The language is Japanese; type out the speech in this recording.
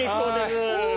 お。